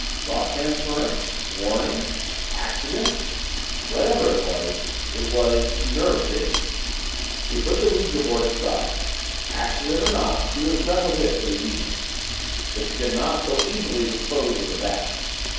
Thought transference warning accident? Whatever it was, it was nerve shaking. She put the ouija board aside. Accident or not, she was done with it for the evening. But she could not so easily dispose of the Bat.